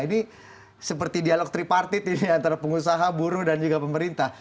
ini seperti dialog tripartit ini antara pengusaha buruh dan juga pemerintah